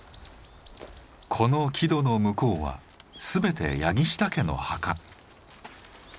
この木戸の向こうは全て柳下家の墓。